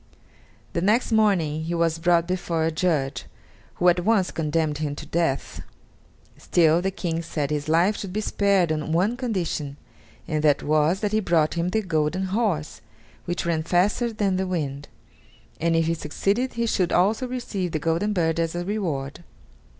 The next morning he was brought before a judge, who at once condemned him to death. Still, the King said his life should be spared on one condition, and that was, that he brought him the golden horse, which ran faster than the wind; and if he succeeded he should also receive the golden bird as a reward.